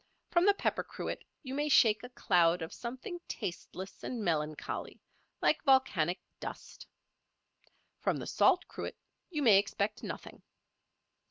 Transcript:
From the pepper cruet you may shake a cloud of something tasteless and melancholy, like volcanic dust. From the salt cruet you may expect nothing.